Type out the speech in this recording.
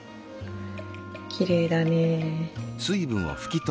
きれいだね。